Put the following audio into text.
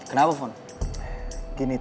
tidak ada yang bisa mengingatkan